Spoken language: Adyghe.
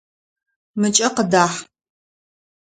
Мыкӏэ къыдахь!